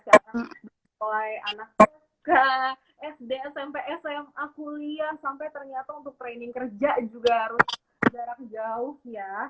sekarang mulai anak sd smp sma kuliah sampai ternyata untuk training kerja juga harus jarak jauh ya